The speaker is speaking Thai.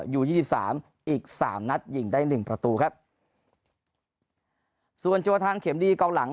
อยู่๒๓อีก๓นัดยิงได้๑ประตูครับส่วนจัวทางเข็มดีกล้องหลัง